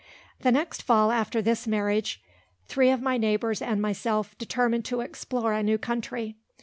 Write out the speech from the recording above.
The next fall after this marriage, three of my neighbours and myself determined to explore a new country.